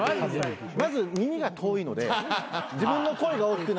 まず耳が遠いので自分の声が大きくなるんですよ。